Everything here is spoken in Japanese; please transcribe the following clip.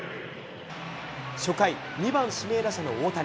初回、２番指名打者の大谷。